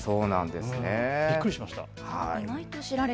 びっくりしました。